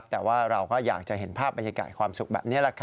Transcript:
แต่ว่าเราก็อยากจะเห็นภาพบรรยากาศความสุขแบบนี้